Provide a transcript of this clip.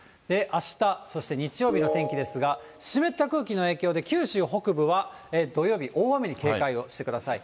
あした、そして日曜日の天気ですが、湿った空気の影響で、九州北部は土曜日、大雨に警戒をしてください。